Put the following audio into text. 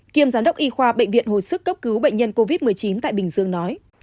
kiêm giám đốc y khoa bệnh viện hồi sức cấp cứu bệnh nhân covid một mươi chín tại bình dương nói